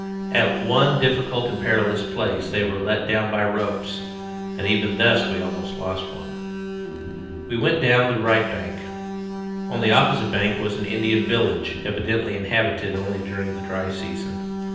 At one difficult and perilous place they were let down by ropes; and even thus we almost lost one. We went down the right bank. On the opposite bank was an Indian village, evidently inhabited only during the dry season.